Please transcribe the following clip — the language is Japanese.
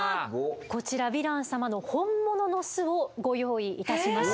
こちらヴィラン様の本物の巣をご用意いたしました。